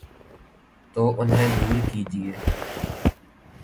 تو انہیں دور کیجیے۔